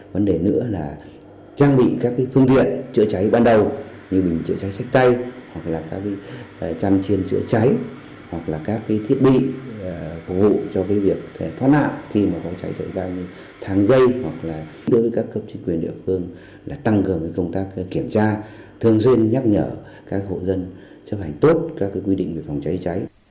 vấn đề nữa là trang bị các phương viện chữa cháy ban đầu như bình chữa cháy sách tay hoặc là các trang chiên chữa cháy hoặc là các thiết bị phục vụ cho việc thoát nạn khi có cháy xảy ra như tháng dây hoặc là đối với các cấp chính quyền địa phương là tăng cường công tác kiểm tra thường xuyên nhắc nhở các hội dân chấp hành tốt các quy định về phòng cháy cháy